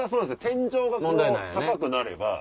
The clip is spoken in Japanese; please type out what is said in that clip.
天井が高くなれば。